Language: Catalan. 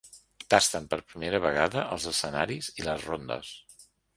Tasten per primera vegada els escenaris i les rondes.